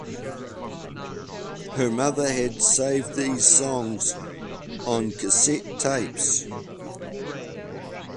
Her mother had saved these songs on cassette tapes.